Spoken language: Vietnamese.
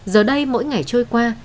giờ đây mỗi ngày trôi qua